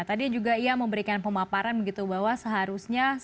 tadi juga ia memberikan pemaparan begitu bahwa seharusnya